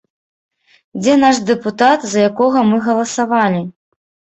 Дзе наш дэпутат, за якога мы галасавалі?